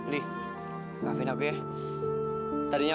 lia kita ke dalam ya